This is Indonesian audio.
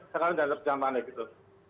sekarang jangan panik gitu